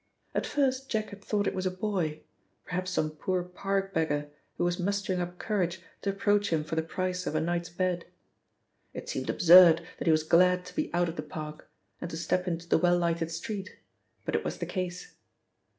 At first Jack had thought it was a boy; perhaps some poor park beggar who was mustering up courage to approach him for the price of a night's bed. It seemed absurd that he was glad to be out of the park, and to step into the well lighted street, but it was the case.